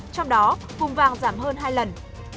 trong đó vùng vàng giảm hơn hai lần